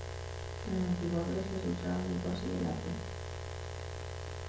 En la antigua Grecia se usaron el bronce y el latón.